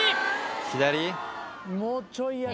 左？